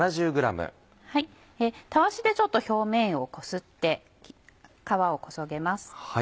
たわしで表面をこすって皮をこそげます。